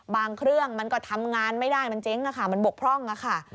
บางเครื่องมันก็ทำงานไม่ได้มันเจ๊งมันบกพร่อง